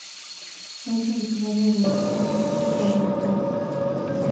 Es originaria de Europa sudoriental.